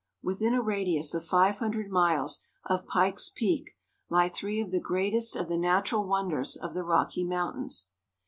Within a radius of five hundred miles of Pikes Peak lie three of the greatest of the natural wonders of the Rocky Mountains.